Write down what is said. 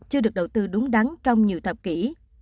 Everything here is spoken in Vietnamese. chưa được đầu tư đúng đắn trong nhiều thập kỷ